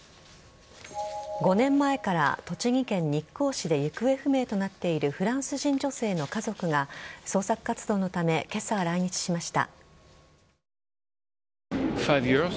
５年前から、栃木県日光市で行方不明となっているフランス人女性の家族が捜索活動のため今朝、来日しました。